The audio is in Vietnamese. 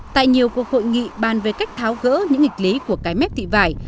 tại nhiều cuộc hội nghị bàn về cách tháo gỡ những nghịch lý của cái mép thị vải